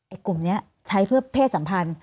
กลุ่มนี้ใช้เพื่อเพศสัมพันธ์